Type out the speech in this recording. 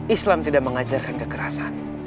islam tidak mengajarkan kekerasan